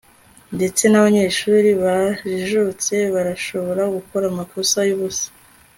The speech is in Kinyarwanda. ndetse nabanyeshuri bajijutse barashobora gukora amakosa yubusa